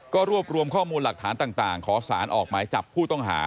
ก็รวบรวมข้อมูลหลักฐานต่างขอสารออกหมายจับผู้ต้องหา